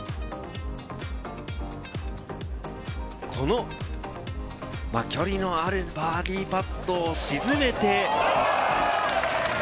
この距離のあるバーディーパットを沈めて。